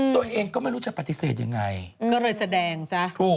ตัวเองก็ไม่รู้จะปฏิเสธยังไงก็เลยแสดงซะถูก